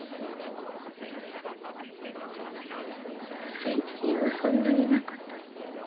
最近はそんなになかった。